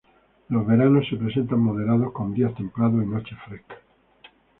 Los veranos se presentan moderados, con días templados y noches frescas.